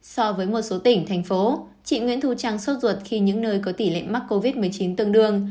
so với một số tỉnh thành phố chị nguyễn thu trang sốt ruột khi những nơi có tỷ lệ mắc covid một mươi chín tương đương